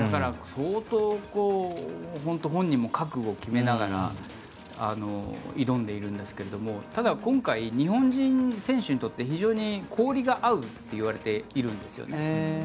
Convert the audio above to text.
だから、相当本人も覚悟を決めながら挑んでいるんですけどただ、今回、日本人選手にとって非常に氷が合うといわれているんですね。